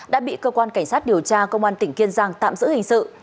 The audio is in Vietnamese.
đã bị cơ quan cảnh sát điều tra công an tỉnh kiên giang tạm giữ hình sự